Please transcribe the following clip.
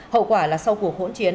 hậu quả là sau cuộc hỗn chiến